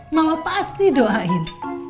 mau lepas nih doain